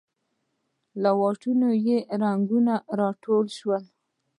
له واټونو یې رنګونه راټول شوې